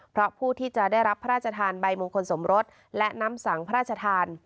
เพราะผู้ที่จะได้รับพระราชทานใบมงคลสมรสและน้ำสังพระราชทาน